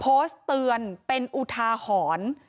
โพสต์เตือนเป็นอุทาหรณ์